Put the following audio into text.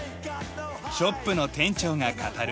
ショップの店長が語る。